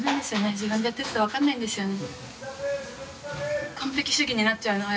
自分でやってると分かんないんですよね。